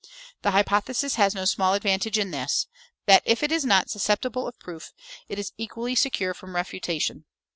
The hypothesis has no small advantage in this, that if it is not susceptible of proof, it is equally secure from refutation.